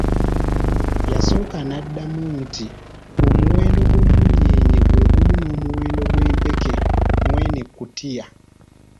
Yasooka naddamu nti, omuwendo gw'emunyeenye gwe gumu n'omuwendo gw'empeke mweno ekkutiya.